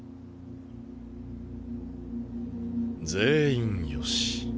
全員よし。